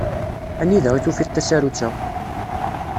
Anida i tufiḍ tasarut-a?